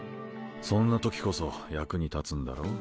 そんなときこそ役に立つんだろ？